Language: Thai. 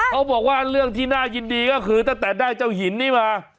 เขาบอกว่าเรื่องที่น่ายินดีก็คือตั้งแต่ได้เจ้าหินนี้มา